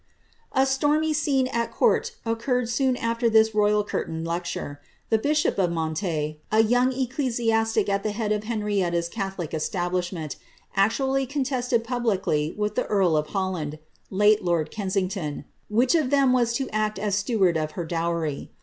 ^ A stormy scene at court occurred soon after tliis royal curtain lecture; the bishop of Mantes, a young ecclesiastic at tlie head of Henrietta's catholic establishment, actually contested publicly with the earl of Hol land (late lord Kensington), which of them was to act as steward of ber dowry.